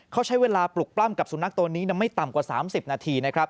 เขาใช้เวลาปลุกปล้ำกับสุนัขตัวนี้ไม่ต่ำกว่า๓๐นาทีนะครับ